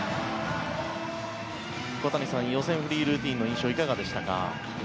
小谷さん、フリールーティンの予選の印象はいかがでしたか？